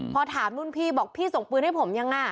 พอถามรุ่นพี่บอกพี่ส่งปืนให้ผมยังอ่ะ